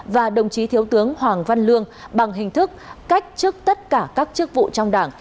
và đồng chí thiếu tướng hoàng văn lương bằng hình thức cách chức tất cả các chức vụ trong đảng